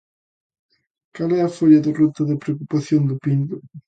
Cal é a folla de ruta da recuperación do Pindo?